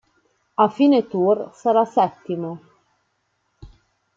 A fine Tour sarà settimo.